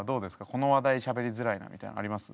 この話題しゃべりづらいなみたいのあります？